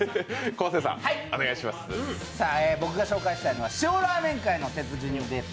僕が紹介したいのは塩ラーメン界の鉄人です。